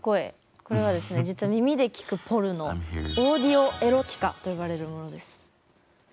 これはですね実は耳で聞くポルノオーディオエロティカと呼ばれるものです。